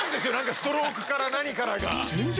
ストロークから何からが。